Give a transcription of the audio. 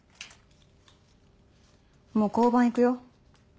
もう交番行くよ。